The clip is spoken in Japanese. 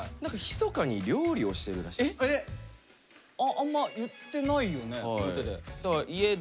あんま言ってないよね表で。